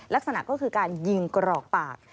ลักษณะก็คือการยิงกรอกปาก